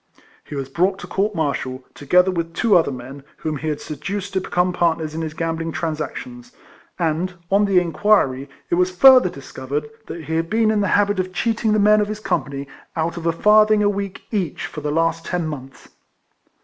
He was brought to court martial, together with two other men, whom he had seduced to become part ners in his gambling transactions ; and, on the inquiry, it was further discovered that he had been in the habit of cheating the men of his company out of a farthing a week each for the last ten months.